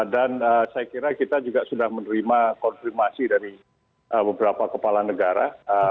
dan saya kira kita juga sudah menerima konfirmasi dari beberapa kepala negara